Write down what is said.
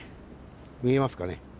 見えますかね。